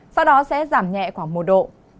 sau đó sẽ giảm nhẹ khoảng một độ